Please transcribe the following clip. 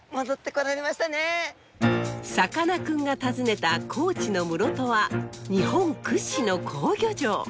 さかなクンが訪ねた高知の室戸は日本屈指の好漁場！